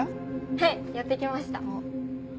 はいやってきました。